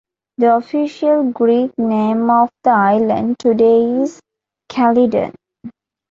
The official Greek name of the island today is Kalydon.